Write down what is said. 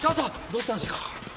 どうしたんですか！？